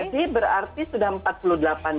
jadi berarti sudah empat puluh empat tahun